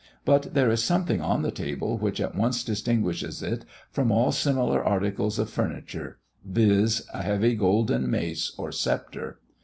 But there is something on the table which at once distinguishes it from all similar articles of furniture, viz., a heavy golden mace or sceptre.